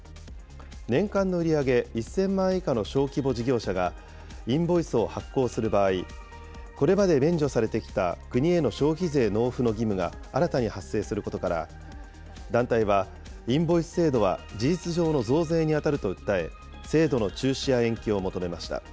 年間の売り上げ１０００万円以下の小規模事業者がインボイスを発行する場合、これまで免除されてきた国への消費税納付の義務が新たに発生することから、団体は、インボイス制度は事実上の増税に当たると訴え、制度の中止や延期を求めました。